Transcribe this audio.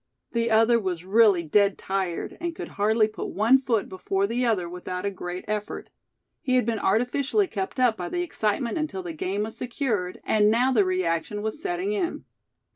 The other was really dead tired, and could hardly put one foot before the other without a great effort. He had been artificially kept up by the excitement until the game was secured, and now the reaction was setting in.